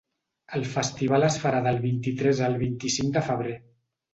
El festival es farà del vint-i-tres al vint-i-cinc de febrer.